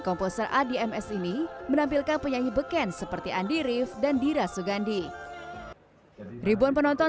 composer adms ini menampilkan penyanyi beken seperti andy riff dan dira sugandi ribuan penonton